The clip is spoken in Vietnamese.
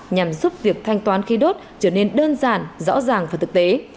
nhằm giúp việc thanh toán khí đốt trở nên đơn giản rõ ràng và thực tế